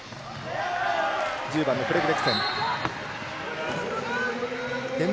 １０番のフレズレクセン。